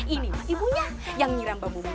ini mah ibunya yang nyiram mbak mumun